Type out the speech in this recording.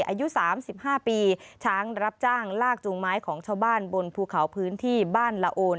อายุ๓๕ปีช้างรับจ้างลากจูงไม้ของชาวบ้านบนภูเขาพื้นที่บ้านละโอน